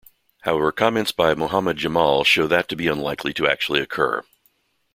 However comments by Mohammed Jamal show that to be unlikely to actually occur.